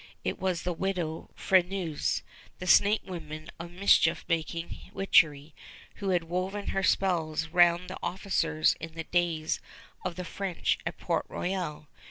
It was the Widow Freneuse, the snake woman of mischief making witchery, who had woven her spells round the officers in the days of the French at Port Royal.